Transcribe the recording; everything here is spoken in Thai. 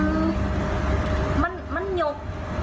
อืมมันหยก